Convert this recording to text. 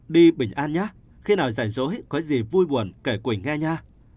đi bình an nha khi nào giải rối có gì vui buồn kể quỳnh nghe nha